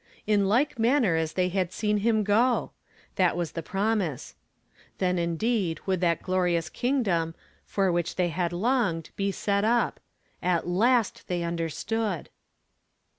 "In like manner m they had seen liini go ;" tliat was tlie promise. Tiion indeed would that gh^rious king, dom, for which they had k)nged, be set up. At LAST they understood.